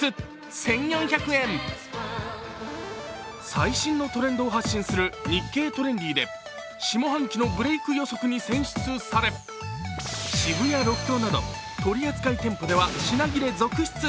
最新のトレンドを発信する「日経トレンディ」で、下半期のブレーク予測に選出され、渋谷ロフトなど取扱店舗では品切れ続出。